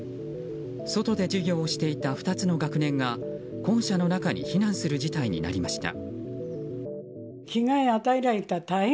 外で授業をしていた２つの学年が校舎の中に避難する事態になりました。